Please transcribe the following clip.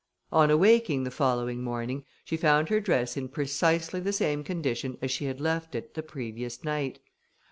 On awaking the following morning, she found her dress in precisely the same condition as she had left it the previous night.